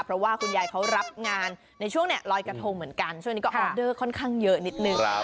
เพราะว่าคุณยายเขารับงานในช่วงลอยกระทงเหมือนกันช่วงนี้ก็ออเดอร์ค่อนข้างเยอะนิดนึง